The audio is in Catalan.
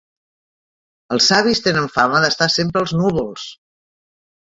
Els savis tenen fama d'estar sempre als núvols!